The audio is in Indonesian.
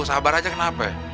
sabar aja kenapa